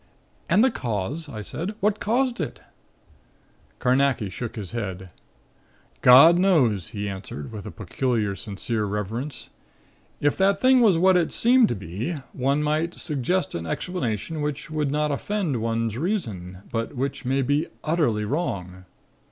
"And the cause?" I said. "What caused it?" Carnacki shook his head. "God knows," he answered, with a peculiar, sincere reverence. "If that thing was what it seemed to be one might suggest an explanation which would not offend one's reason, but which may be utterly wrong.